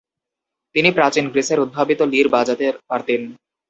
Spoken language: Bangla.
তিনি প্রাচীন গ্রীসের উদ্ভাবিত লির বাজাতে পারতেন।